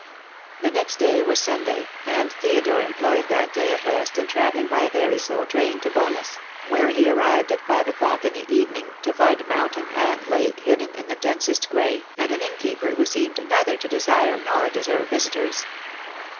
The next day was Sunday, and Theodore employed that day of rest in travelling by a very slow train to Bowness; where he arrived at five o'clock in the evening, to find mountain and lake hidden in densest grey, and an innkeeper who seemed neither to desire nor deserve visitors.